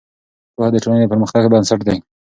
پوهه د ټولنې د پرمختګ بنسټ دی.